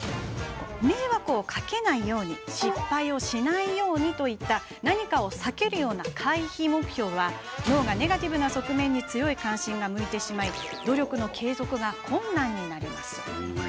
迷惑をかけないように失敗をしないようにといった何かを避けるような回避目標は脳がネガティブな側面に強い関心が向いてしまい努力の継続が困難に。